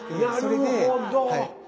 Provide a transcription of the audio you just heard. なるほど。